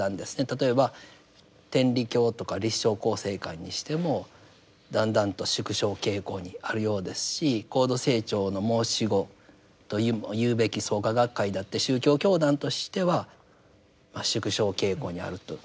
例えば天理教とか立正佼成会にしてもだんだんと縮小傾向にあるようですし高度成長の申し子というべき創価学会だって宗教教団としてはまあ縮小傾向にあるとえ言えるかと思います。